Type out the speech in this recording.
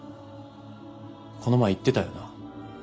この前言ってたよな